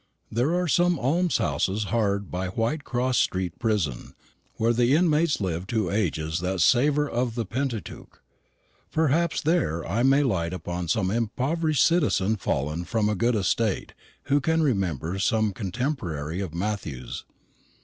"There are some alms houses hard by Whitecross street prison, where the inmates live to ages that savour of the Pentateuch. Perhaps there I may light upon some impoverished citizen fallen from a good estate who can remember some contemporary of Matthew's.